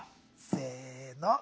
せの。